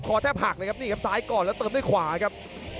แทบหักเลยครับนี่ครับซ้ายก่อนแล้วเติมด้วยขวาครับ